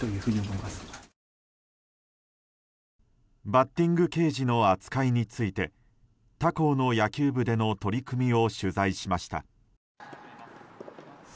バッティングケージの扱いについて他校の野球部での取り組みを取材しました。